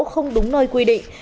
không đúng nơi quy định